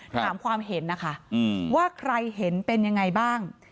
ถามความเห็นนะคะว่าใครเห็นเป็นยังไงบ้าง